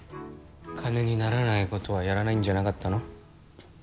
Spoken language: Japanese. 金にならないことはやらないんじゃなかったの？